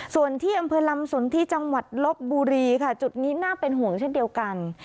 ส่วนที่อำเภอลำสนที่จังหวัดลบบุรีค่ะจุดนี้น่าเป็นห่วงเช่นเดียวกัน